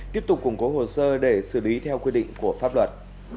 tiếp tục củng cố hồ sơ để xử lý theo quy định của pháp luật